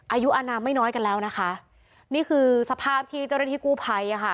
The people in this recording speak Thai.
อายุอนามไม่น้อยกันแล้วนะคะนี่คือสภาพที่เจ้าหน้าที่กู้ภัยอ่ะค่ะ